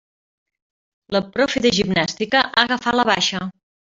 La profe de gimnàstica ha agafat la baixa.